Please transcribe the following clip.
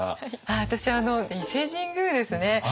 私伊勢神宮ですね。